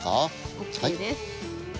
ＯＫです。